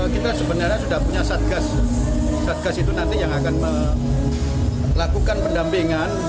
kita sebenarnya sudah punya satgas satgas itu nanti yang akan melakukan pendampingan